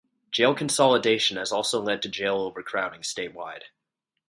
Jail consolidation has also led to jail overcrowding statewide.